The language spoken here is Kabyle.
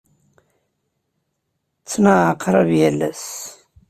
Ttnaɣeɣ qrib yal ass.